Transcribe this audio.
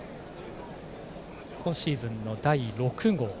今シーズンの第６号。